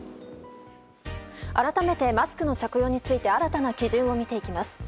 改めて、マスクの着用について新たな基準を見ていきます。